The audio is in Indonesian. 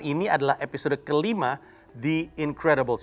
ini adalah episode kelima the incredibles